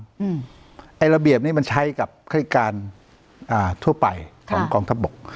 ไอ้ระเบียบนี้มันใช้กับฆาติการอ่าทั่วไปของกองทัพบก